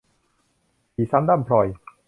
ผีซ้ำด้ำพลอย